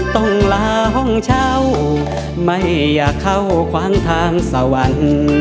ต้องลาห้องเช่าไม่อยากเข้าขวางทางสวรรค์